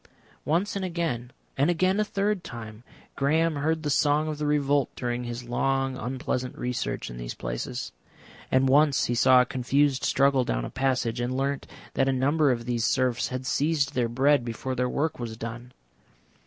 Once and again, and again a third time, Graham heard the song of the revolt during his long, unpleasant research in these places, and once he saw a confused struggle down a passage, and learnt that a number of these serfs had seized their bread before their work was done.